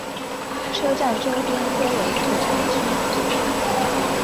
车站周边多为住宅区。